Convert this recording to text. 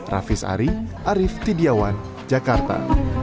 raffis ari arief tidiawan jakarta